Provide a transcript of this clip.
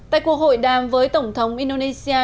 tại cuộc hội đàm với tổng thống indonesia